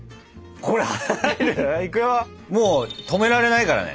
もう止められないからね。